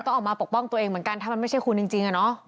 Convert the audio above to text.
ออกมาปกป้องตัวเองเหมือนกันถ้ามันไม่ใช่คุณจริงอะเนาะ